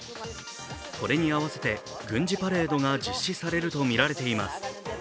これに合わせて軍事パレードが実施されるとみられています。